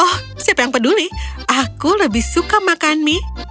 oh siapa yang peduli aku lebih suka makan mie